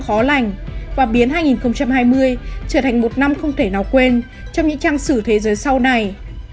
khó lành và biến hai nghìn hai mươi trở thành một năm không thể nào quên trong những trang sử thế giới sau này